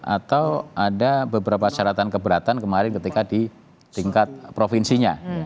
atau ada beberapa syaratan keberatan kemarin ketika di tingkat provinsinya